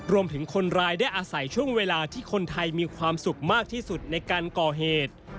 คนร้ายได้อาศัยช่วงเวลาที่คนไทยมีความสุขมากที่สุดในการก่อเหตุ